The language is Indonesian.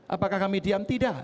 apakah kami diam tidak